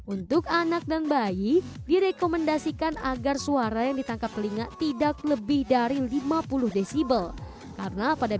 untuk anak dan bayi direkomendasikan agar suara yang ditangkap telinga tidak lebih dari lima puluh desibel karena pada